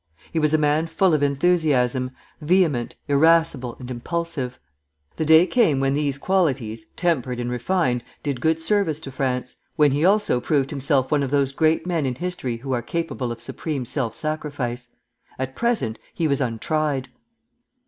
He was a man full of enthusiasm, vehement, irascible, and impulsive. The day came when these qualities, tempered and refined, did good service to France, when he also proved himself one of those great men in history who are capable of supreme self sacrifice. At present he was untried.